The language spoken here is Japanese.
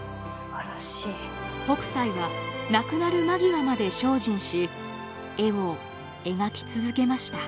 北斎は亡くなる間際まで精進し絵を描き続けました。